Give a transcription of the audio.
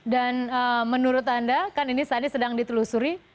dan menurut anda kan ini saat ini sedang ditelusuri